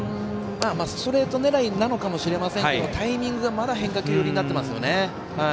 ストレート狙いなのかもしれませんけどタイミングがまだ変化球寄りになってますよね。